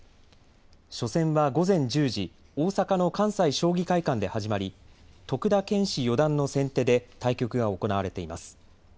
初戦は午前１０時、大阪の関西将棋会館で始まり徳田拳士四段の先手で対局が行われています。